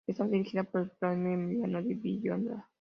Estaba dirigida por el propio Emilio de Villota.